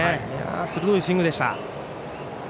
鋭いスイングでした。